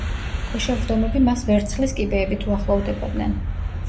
ქვეშევრდომები მას ვერცხლის კიბეებით უახლოვდებოდნენ.